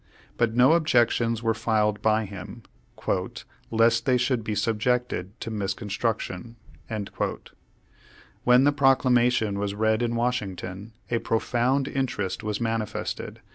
But no objec tions were filed by him, "lest they should be sub ject to misconstruction." When the Proclamation was read in Washing ton, a profound interest was manifested.